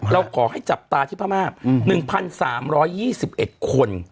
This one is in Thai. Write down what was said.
เราขอให้จับตาที่พม่า๑๓๒๑คน